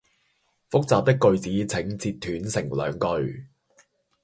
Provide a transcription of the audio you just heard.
複雜的句子請截斷成兩句